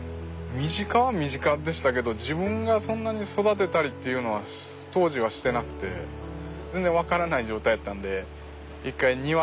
身近は身近でしたけど自分がそんなに育てたりっていうのは当時はしてなくて全然分からない状態やったんで「一回庭造ってみろ」って言われて。